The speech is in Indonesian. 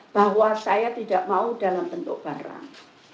bahwa saya tidak mau dalam bentuk barang